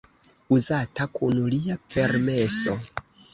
Uzata kun lia permeso.